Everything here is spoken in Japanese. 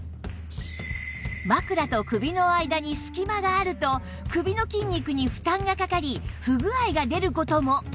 枕と首の間に隙間があると首の筋肉に負担がかかり不具合が出る事も